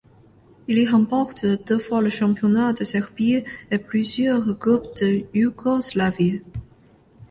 Il y remporte deux fois le championnat de Serbie et plusieurs Coupes de Yougoslavie.